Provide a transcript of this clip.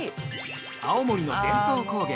◆青森の伝統工芸